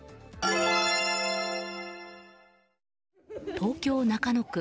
東京・中野区。